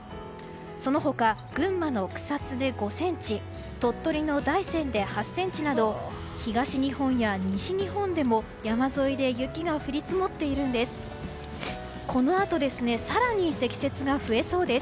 その他、群馬の草津で５ｃｍ鳥取の大山で８ｃｍなど東日本や西日本でも山沿いで雪が降り積もっているんです。